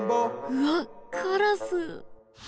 うわっカラス！